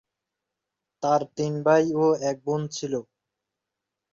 তার তিন ভাই ও এক বোন ছিল।